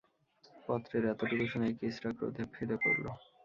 পত্রের এতটুকু শুনেই কিসরা ক্রোধে ফেটে পড়ল।